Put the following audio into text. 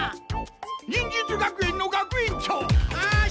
忍術学園の学園長！